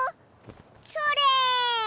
それ！